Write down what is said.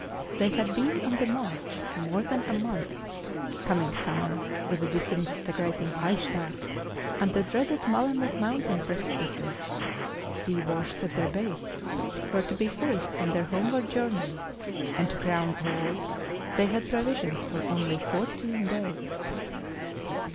They had been on the march more than a month; commg summer, with a dis integrating ice pack, and the dreaded Mallemuk moun tain precipices, sea washed at their base, were to be faced on their homeward journey; and to crown all they had provisions for only fourteen days.